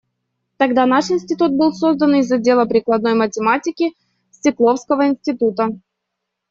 Тогда наш институт был создан из отдела прикладной математики Стекловского института.